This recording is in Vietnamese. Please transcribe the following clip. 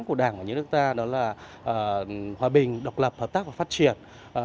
của đảng và những nước ta đó là hòa bình độc lập hợp tác và phát triển